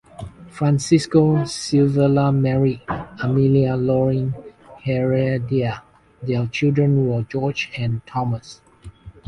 Francisco Silvela married Amelia Loring Heredia; their children were Jorge and Tomas.